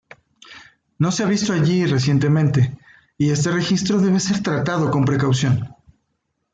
No se ha visto allí recientemente y este registro debe ser tratado con precaución.